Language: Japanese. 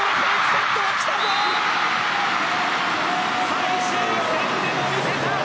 最終戦でも見せた。